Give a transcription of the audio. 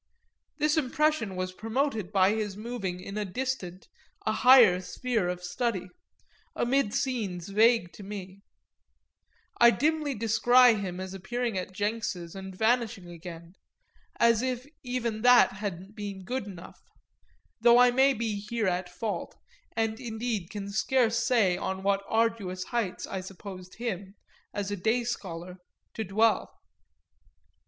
This impression was promoted by his moving in a distant, a higher sphere of study, amid scenes vague to me; I dimly descry him as appearing at Jenks's and vanishing again, as if even that hadn't been good enough though I may be here at fault, and indeed can scarce say on what arduous heights I supposed him, as a day scholar, to dwell.